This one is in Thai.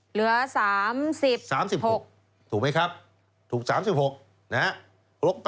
เหลือ๓๐๓๖ถูกไหมครับถูก๓๖นะฮะ